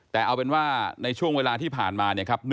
แต่เอาเป็นว่าในช่วงเวลาที่ผ่านมาเนี่ยครับ